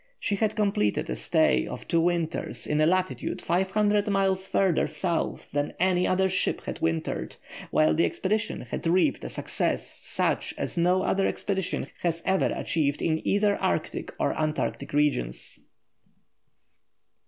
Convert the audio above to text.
She had completed a stay of two winters in a latitude 500 miles further South than any other ship had wintered, while the expedition had reaped a success such as no other expedition has ever achieved in either Arctic or Antarctic regions.